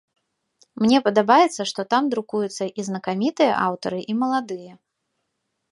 Мне падабаецца, што там друкуюцца і знакамітыя аўтары, і маладыя.